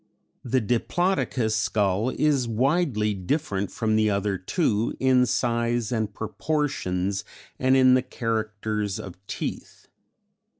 The Diplodocus skull is widely different from the other two in size and proportions and in the characters of teeth.